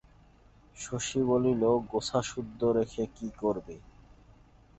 শশী বলিল, গোছাসুদ্ধ রেখে কী করবি?